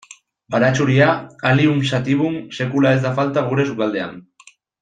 Baratxuria, Allium sativum, sekula ez da falta gure sukaldean.